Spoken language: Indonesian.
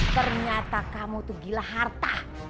ternyata kamu tuh gila harta